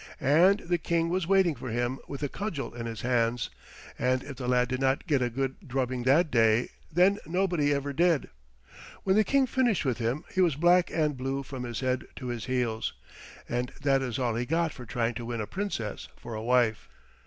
And the King was waiting for him with a cudgel in his hands, and if the lad did not get a good drubbing that day, then nobody ever did. When the King finished with him he was black and blue from his head to his heels, and that is all he got for trying to win a Princess for a wife.